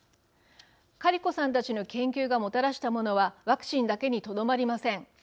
カリコさんたちの研究がもたらしたものはワクチンだけにとどまりません。